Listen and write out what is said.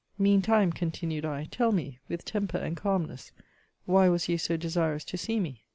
Meantime, continued I, tell me, with temper and calmness, why was you so desirous to see me?